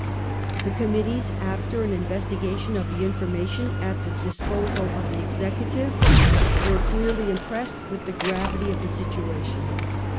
The Committees, after an investigation of the information at the disposal of the Executive, were clearly impressed with the gravity of the situation.